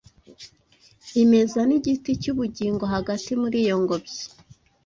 imeza n’igiti cy’ubugingo hagati muri iyo ngobyi